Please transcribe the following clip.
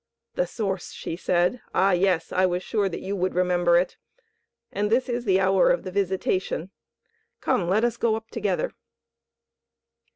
"The Source!" she said. "Ah, yes, I was sure that you would remember it. And this is the hour of the visitation. Come, let us go up together."